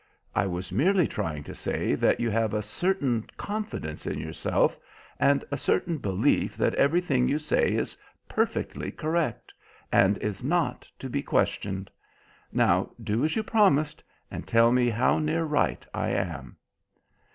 I was merely trying to say that you have a certain confidence in yourself and a certain belief that everything you say is perfectly correct, and is not to be questioned. Now, do as you promised, and tell me how near right I am."